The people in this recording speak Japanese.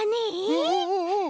うんうんうんうん。